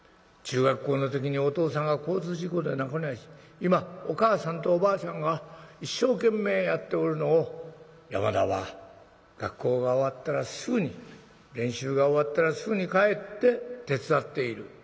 中学校の時にお父さんが交通事故で亡くなり今お母さんとおばあちゃんが一生懸命やっておるのを山田は学校が終わったらすぐに練習が終わったらすぐに帰って手伝っている。